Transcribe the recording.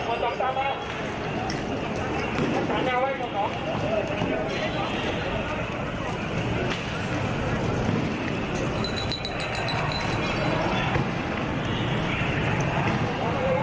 เพราะตอนนี้ก็ไม่มีเวลาให้เข้าไปที่นี่